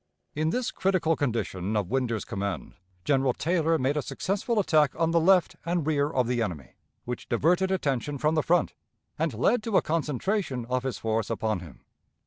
In this critical condition of Winder's command, General Taylor made a successful attack on the left and rear of the enemy, which diverted attention from the front, and led to a concentration of his force upon him.